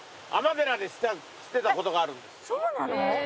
そうなの！？